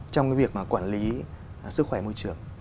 trong cái việc mà quản lý sức khỏe môi trường